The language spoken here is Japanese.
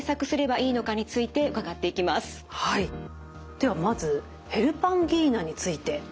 ではまずヘルパンギーナについて。